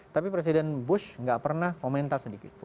tapi presiden bush nggak pernah komentar sedikitpun